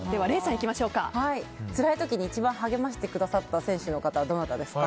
つらい時に一番励ましてくださった選手はどなたですか？